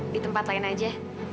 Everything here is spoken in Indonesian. di tempat lain aja